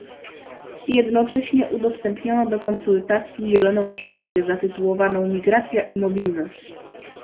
Jednocześnie udostępniono do konsultacji Zieloną księgę zatytułowaną "Migracja i mobilność